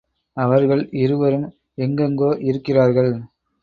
அவர்கள் இருவரும் எங்கெங்கோ இருக்கிறார்கள்.